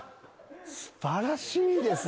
素晴らしいですね。